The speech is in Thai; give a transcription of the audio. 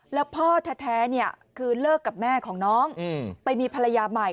แล้วพ่อแท้คือเลิกกับแม่ของน้องไปมีภรรยาใหม่